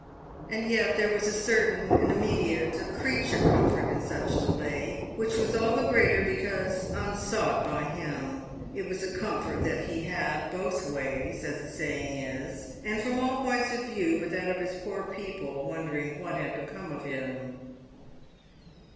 And yet there was a certain, an immediate, a creature comfort in such delay, which was all the greater because unsought by him; it was a comfort that he had both ways, as the saying is, and from all points of view but that of his poor people wondering what had become of him.